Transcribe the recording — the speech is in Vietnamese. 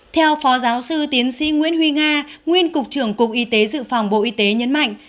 theo phó giáo sư tiến sĩ nguyễn huy nga nguyên cục trưởng cục y tế dự phòng bộ y tế nhấn mạnh